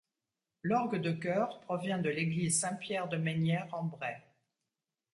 L'orgue de chœur provient de l'église Saint-Pierre de Mesnières-en-Bray.